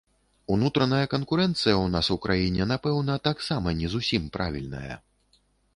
Унутраная канкурэнцыя ў нас у краіне, напэўна, таксама не зусім правільная.